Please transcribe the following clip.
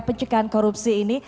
pencegahan korupsi ini